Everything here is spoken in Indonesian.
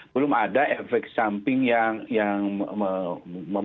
belum ada efek samping yang memungkin